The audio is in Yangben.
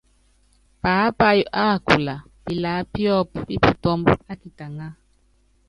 Paápayɔ́ á kula pilaá piɔ́p pi putɔ́mb á kitaŋá.